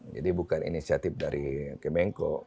jadi bukan inisiatif dari kemengko